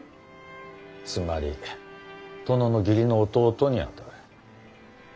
つまり殿の義理の弟にあたる。